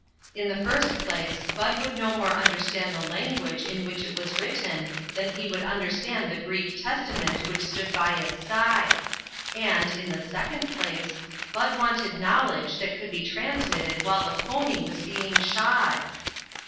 In the first place, Bud would no more understand the language in which it was written than he would under stand the Greek Testament which stood by its side ; and, in the second place, Bud wanted knowledge that could be transmitted while the pony was being shod